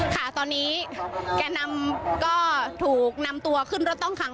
ค่ะตอนนี้แก่นำก็ถูกนำตัวขึ้นรถต้องขัง